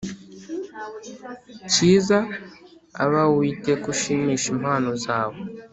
Kiza abawe uwiteka ushimishe impano zawe